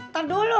sambil ya bro